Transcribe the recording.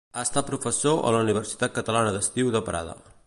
Ha estat professor a la Universitat Catalana d'Estiu de Prada.